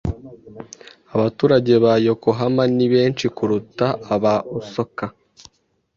Abaturage ba Yokohama ni benshi kuruta aba Osaka. .